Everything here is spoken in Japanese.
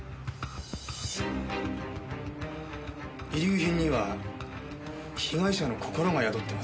遺留品には被害者の心が宿ってます。